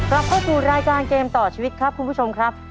เราเข้าสู่รายการเกมต่อชีวิตครับคุณผู้ชมครับ